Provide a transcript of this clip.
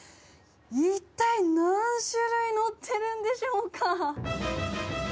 一体、何種類載っているんでしょうか。